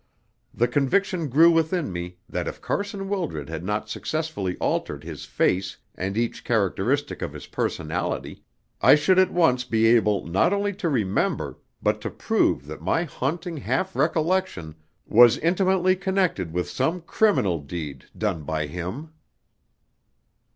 The conviction grew within me that if Carson Wildred had not successfully altered his face and each characteristic of his personality, I should at once be able not only to remember, but to prove that my haunting half recollection was intimately connected with some criminal deed done by him.